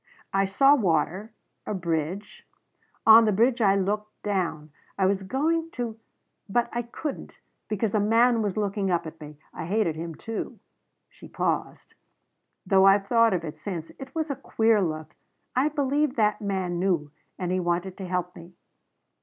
"I saw water a bridge. On the bridge I looked down. I was going to but I couldn't, because a man was looking up at me. I hated him, too." She paused. "Though I've thought of it since. It was a queer look. I believe that man knew. And wanted to help me.